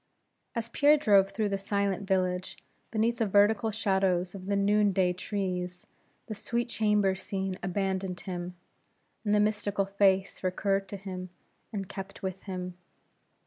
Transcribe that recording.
As Pierre drove through the silent village, beneath the vertical shadows of the noon day trees, the sweet chamber scene abandoned him, and the mystical face recurred to him, and kept with him.